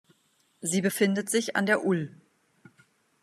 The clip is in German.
Sie befindet sich an der ul.